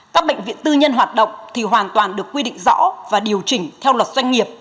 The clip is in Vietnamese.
các bệnh viện tư nhân hoạt động thì hoàn toàn được quy định rõ và điều chỉnh theo luật doanh nghiệp